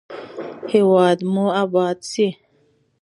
هیواد مو اباد شي.